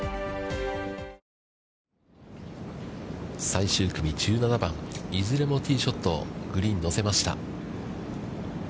最終組、１７番、いずれもティーショットをグリーンに乗せました。